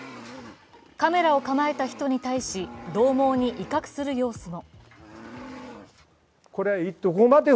カメラを構えた人に対し、どう猛に威嚇する様子も。